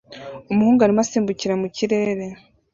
Umuhungu arimo asimbukira mu kirere